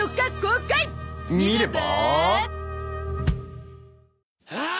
見れば？